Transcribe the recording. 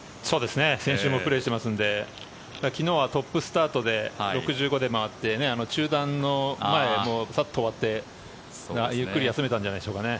先週もプレーしていますので昨日はトップスタートで６５で回って中団の前サッと終わってゆっくり休めたんじゃないでしょうか。